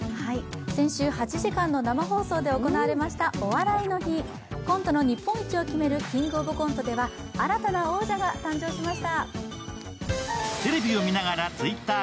先週、８時間の生放送で行われました「お笑いの日」コントの日本一を決める「キングオブコント」では新たな王者が誕生しました。